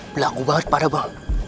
belagu banget pada bang